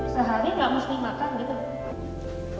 sehari nggak mesti makan gitu